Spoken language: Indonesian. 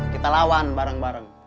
kita lawan bareng bareng